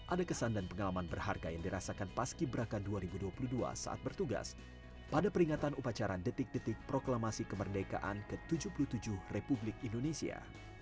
ada kesan dan pengalaman berharga yang dirasakan paski beraka dua ribu dua puluh dua saat bertugas pada peringatan upacara detik detik proklamasi kemerdekaan ke tujuh puluh tujuh republik indonesia